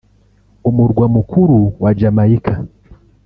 umurwa mukuru wa Jamaica